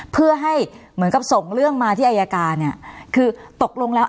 เพื่อให้เหมือนกับส่งเรื่องมาที่อายการเนี่ยคือตกลงแล้ว